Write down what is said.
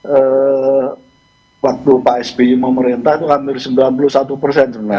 eee waktu pak sbi memerintah itu hampir sembilan puluh satu sebenarnya